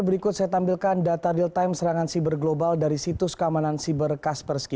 berikut saya tampilkan data real time serangan siber global dari situs keamanan siber kaspersky